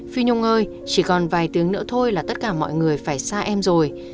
phi nhung ơi chỉ còn vài tiếng nữa thôi là tất cả mọi người phải xa em rồi